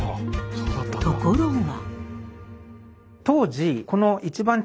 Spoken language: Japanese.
ところが。